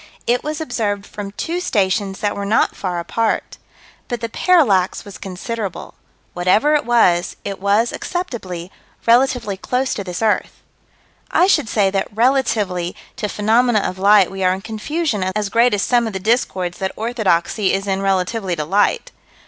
It was observed from two stations that were not far apart. But the parallax was considerable. Whatever it was, it was, acceptably, relatively close to this earth. I should say that relatively to phenomena of light we are in confusion as great as some of the discords that orthodoxy is in relatively to light.